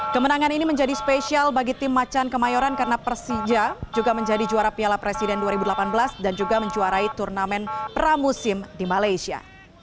kemenangan ini menjadi spesial bagi tim macan kemayoran karena persija juga menjadi juara piala presiden dua ribu delapan belas dan juga menjuarai turnamen pramusim di malaysia